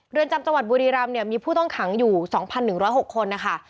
เรือนจำจังหวัดบุรีรำเนี่ยมีผู้ต้องขังอยู่สองพันหนึ่งร้อยหกคนนะคะ